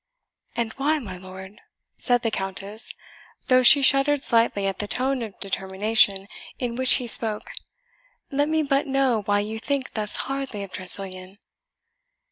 "And why, my lord?" said the Countess, though she shuddered slightly at the tone of determination in which he spoke; "let me but know why you think thus hardly of Tressilian?"